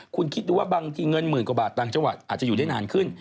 คุณคิดดูว่าบางทีเงินหมื่นกว่าบาทต่างจังหวัดอาจจะอยู่ได้นานขึ้น